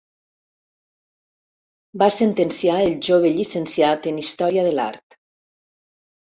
Va sentenciar el jove llicenciat en Història de l'Art—.